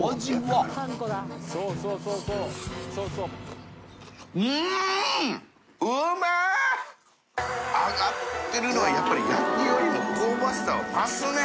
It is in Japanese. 淵船礇鵝揚がってるのはやっぱり焼きよりも香ばしさは増すね。